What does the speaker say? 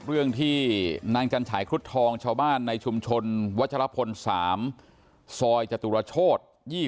เรื่องที่นางจันฉายครุฑทองชาวบ้านในชุมชนวัชรพล๓ซอยจตุรโชธ๒๐